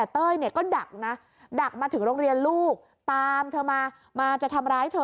เต้ยเนี่ยก็ดักนะดักมาถึงโรงเรียนลูกตามเธอมามาจะทำร้ายเธอ